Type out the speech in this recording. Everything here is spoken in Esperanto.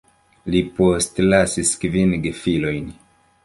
Li postlasis kvin gefilojn.